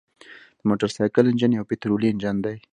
د موټرسایکل انجن یو پطرولي انجن دی.